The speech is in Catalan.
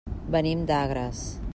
Venim d'Agres.